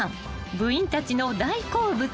［部員たちの大好物］